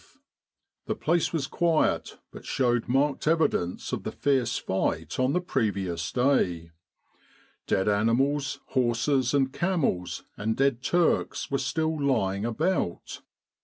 The place was quiet, but showed marked evidence of the fierce fight on the previous day. Dead animals, horses and camels, and dead Turks were still lying 96 Kantara and Katia about.